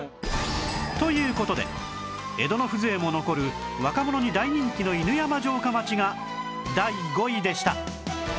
という事で江戸の風情も残る若者に大人気の犬山城下町が第５位でした